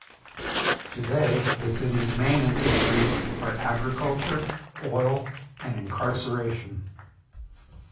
Today, the city's main industries are agriculture, oil and incarceration.